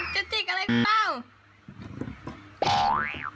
จะจิกอะไรกับข้าว